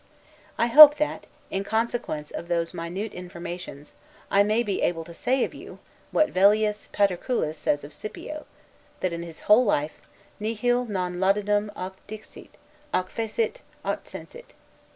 I hope that, in consequence of those minute informations, I may be able to say of you, what Velleius Paterculus says of Scipio; that in his whole life, 'nihil non laudandum aut dixit, aut fecit, aut sensit.